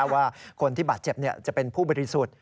ว่าคนที่บาดเจ็บจะเป็นผู้บริสุทธิ์